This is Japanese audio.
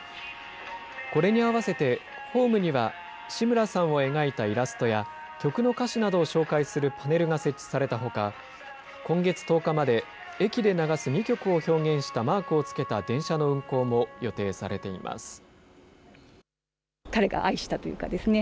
これに合わせてホームには志村さんを描いたイラストや、曲の歌詞などを紹介するパネルが設置されたほか、今月１０日まで、駅で流す２曲を表現したマークをつけた電車の運行も予定されています。